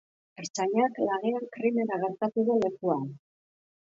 Ertzainak lanean krimena gertatu den lekuan.